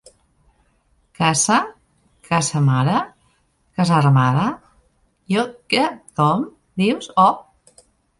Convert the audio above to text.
És un trastorn infreqüent causat per un defecte en nombre de cromosomes sexuals.